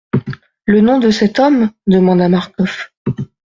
Le nom de cet homme ? demanda Marcof.